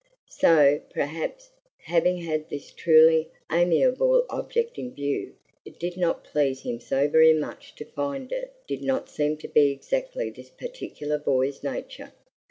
So, perhaps, having had this truly amiable object in view, it did not please him so very much to find it did not seem to be exactly this particular boy's nature.